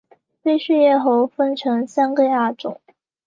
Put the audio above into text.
菲氏叶猴分成三个亚种